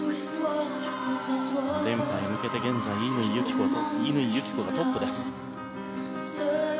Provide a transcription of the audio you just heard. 連覇へ向けて現在、乾友紀子がトップです。